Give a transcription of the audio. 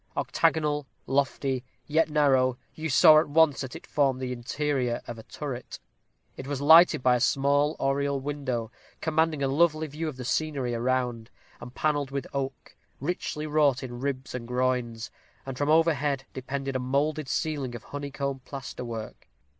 Octagonal, lofty, yet narrow, you saw at once that it formed the interior of a turret. It was lighted by a small oriel window, commanding a lovely view of the scenery around, and paneled with oak, richly wrought in ribs and groins; and from overhead depended a molded ceiling of honeycomb plaster work.